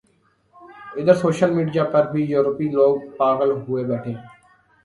ادھر social media پر بھی ، یورپی لوگ پاغل ہوئے بیٹھے ہیں ۔